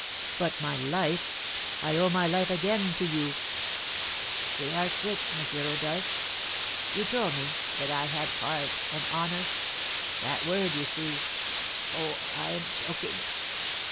"But my life I owe my life again to you!" "We are quits, M. Rodolph. You told me that I had heart and honour. That word, you see oh, I am choking!